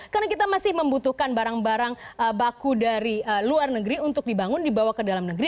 karena kita masih membutuhkan barang barang baku dari luar negeri untuk dibangun dibawa ke dalam negara